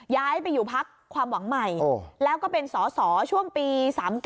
ย้ายไปอยู่พักความหวังใหม่แล้วก็เป็นสอสอช่วงปี๓๙